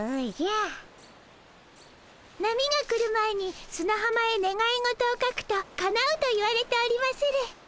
波が来る前にすなはまへねがい事を書くとかなうといわれておりまする。